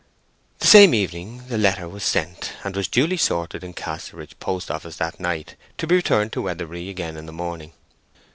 The same evening the letter was sent, and was duly sorted in Casterbridge post office that night, to be returned to Weatherbury again in the morning.